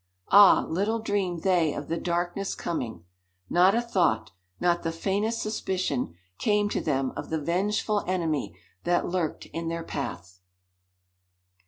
Ah! little dreamed they of the darkness coming! Not a thought not the faintest suspicion came to them of the vengeful enemy that lurked in their path!